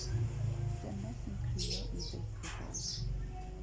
Dynes yn crio i feicroffon.